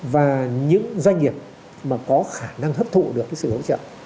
và những doanh nghiệp mà có khả năng hấp thụ được cái sự hỗ trợ